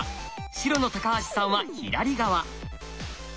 白の橋さんは左側。